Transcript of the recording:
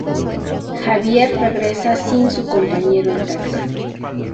Javier regresa sin su compañero en taxi...